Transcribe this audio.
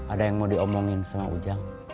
ada yang mau diomongin sama ujang